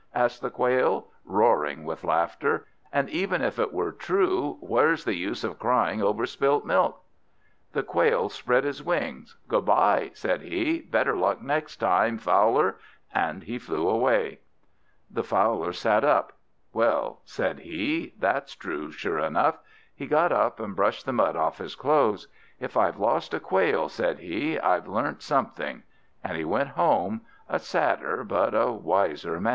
asked the Quail, roaring with laughter. "And even if it were true, where's the use of crying over spilt milk?" The Quail spread his wings. "Good bye," said he; "better luck next time, Fowler." And he flew away. The Fowler sat up. "Well," said he, "that's true, sure enough." He got up and brushed the mud off his clothes. "If I have lost a Quail," said he, "I've learnt something." And he went home, a sadder but a wiser man.